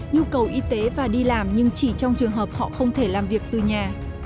nhu cầu y tế và đi làm nhưng chỉ trong trường hợp họ không thể làm việc từ nhà